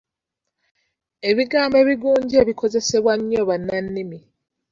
Ebigambo ebigunje bikozesebwa nnyo bannannimi.